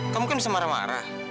kamu mungkin bisa marah marah